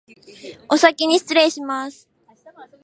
おさきにしつれいします